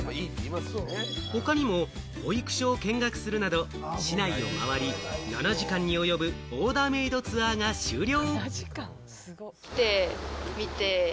他にも保育所を見学するなど市内を回り、７時間に及ぶオーダーメイドツアーが終了。